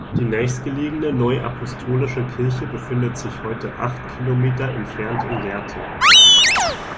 Die nächstgelegene neuapostolische Kirche befindet sich heute acht Kilometer entfernt in Lehrte.